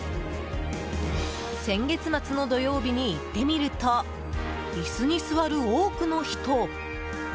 先月末の土曜日に行ってみると椅子に座る多くの人。